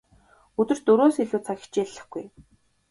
Өдөрт дөрвөөс илүү цаг хичээллэхгүй.